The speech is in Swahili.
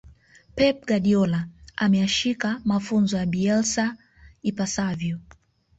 pep guardiola ameyashika mafunzo ya bielsa ipasavyo